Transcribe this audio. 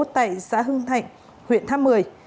tại xã hưng thạnh huyện tháp mười